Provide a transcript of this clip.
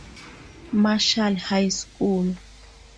Marshall High School.